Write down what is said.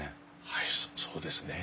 はいそうですね。